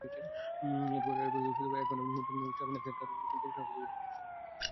এরপর একবার নয়, মোট চারবার নেচার তাঁর গবেষণা প্রতিবেদন প্রকাশ করল।